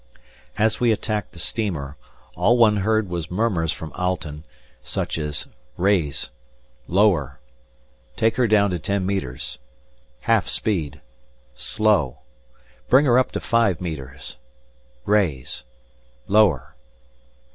As we attacked the steamer, all one heard was murmurs from Alten, such as: "Raise!" "Lower!" "Take her down to ten metres!" "Half speed!" "Slow!" "Bring her up to five metres!" "Raise!" "Lower!"